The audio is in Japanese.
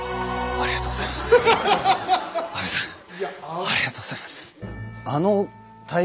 ありがとうございます。